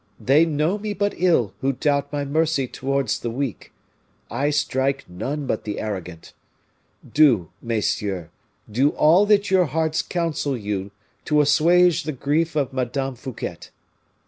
They know me but ill who doubt my mercy towards the weak. I strike none but the arrogant. Do, messieurs, do all that your hearts counsel you to assuage the grief of Madame Fouquet.